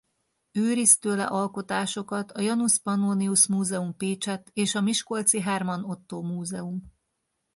Őriz tőle alkotásokat a Janus Pannonius Múzeum Pécsett és a miskolci Herman Ottó Múzeum.